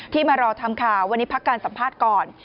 มารอทำข่าววันนี้พักการสัมภาษณ์ก่อน